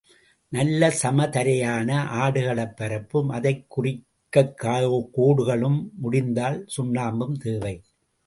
நல்ல சம தரையான ஆடுகளப் பரப்பும், அதைக் குறிக்கக் கோடுகளும், முடிந்தால் சுண்ணாம்பும் தேவை.